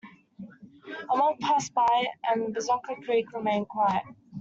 A month passed by, and Bonanza Creek remained quiet.